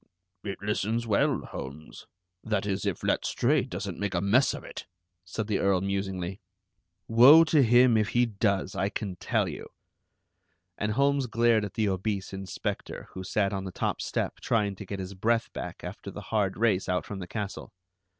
"It listens well, Holmes, that is, if Letstrayed doesn't make a mess of it," said the Earl musingly. "Woe to him if he does, I can tell you." And Holmes glared at the obese inspector, who sat on the top step trying to get his breath back after the hard race out from the castle.